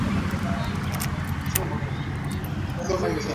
kilizaji tukiwa tunasubiri kabisa jioni hii